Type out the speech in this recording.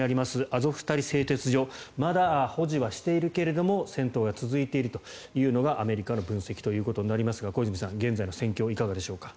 アゾフスタリ製鉄所をまだ保持はしているけれども戦闘が続いているというのがアメリカの分析ということになりますが小泉さん、現在の戦況いかがでしょうか。